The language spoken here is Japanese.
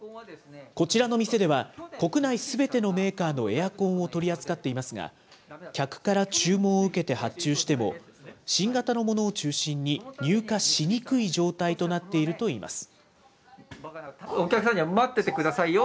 こちらの店では、国内すべてのメーカーのエアコンを取り扱っていますが、客から注文を受けて発注しても、新型のものを中心に入荷しにくい状態となっているといいます。